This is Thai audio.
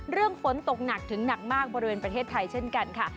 ฝนตกหนักถึงหนักมากบริเวณประเทศไทยเช่นกันค่ะ